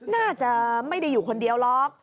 น่าจะไม่ได้อยู่คนเดียวหรอก